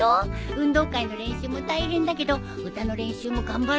運動会の練習も大変だけど歌の練習も頑張らなくちゃ。